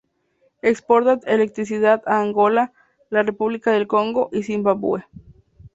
Exporta electricidad a Angola, la República del Congo y Zimbabue.